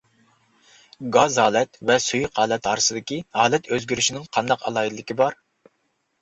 گاز ھالەت ۋە سۇيۇق ھالەت ئارىسىدىكى ھالەت ئۆزگىرىشىنىڭ قانداق ئالاھىدىلىكى بار؟